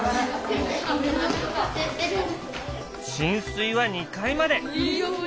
浸水は２階まで！